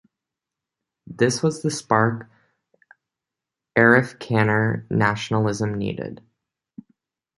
This was the spark Afrikaner nationalism needed.